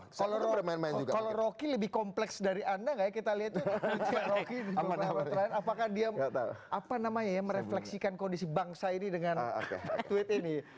kalau rocky lebih kompleks dari anda nggak ya kita lihat rocky terakhir apakah dia merefleksikan kondisi bangsa ini dengan tweet ini